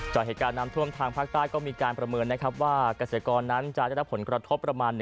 จากเหตุการณ์น้ำท่วมทางภาคใต้ก็มีการประเมินนะครับว่าเกษตรกรนั้นจะได้รับผลกระทบประมาณ